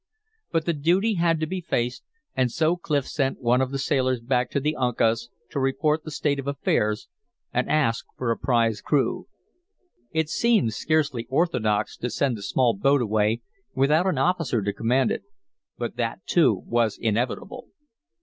But the duty had to be faced, and so Clif sent one of the sailors back to the Uncas to report the state of affairs and ask for a prize crew. It seemed scarcely orthodox to send the small boat away without an officer to command it, but that, too, was inevitable.